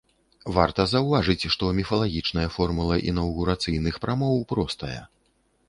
Варта заўважыць, што міфалагічная формула інаўгурацыйных прамоў простая.